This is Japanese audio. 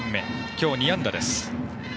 今日、２安打です。